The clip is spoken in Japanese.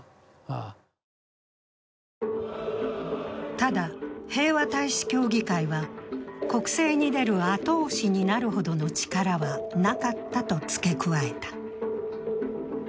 ただ平和大使協議会は国政に出る後押しになるほどの力はなかったと付け加えた。